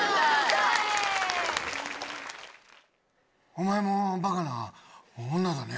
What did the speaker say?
・お前もバカな女だね。